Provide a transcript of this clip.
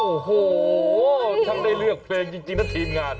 โอ้โหช่างได้เลือกเพลงจริงนะทีมงาน